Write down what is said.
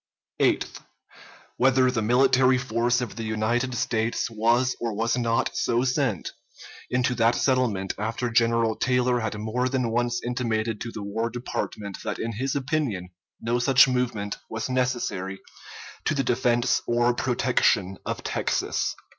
Eighth. Whether the military force of the United States was or was not so sent into that settlement after General Taylor had more than once intimated to the War Department that in his opinion no such movement was necessary to the defense or protection of Texas.